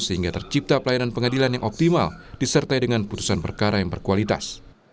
sehingga tercipta pelayanan pengadilan yang optimal disertai dengan putusan perkara yang berkualitas